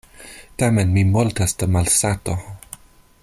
Tamen mi mortas de malsato.